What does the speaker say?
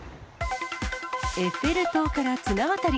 エッフェル塔から綱渡り。